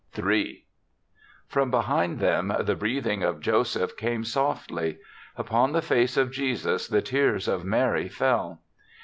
Ill 8R0M behind them the breathing of Joseph came softly. Upon the face of Jesus the tears of Mary fell.